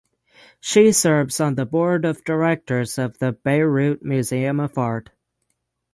She serves on the Board of Directors of the Beirut Museum of Art.